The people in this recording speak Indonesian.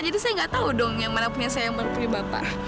jadi saya nggak tahu dong yang mana punya saya yang mana punya bapak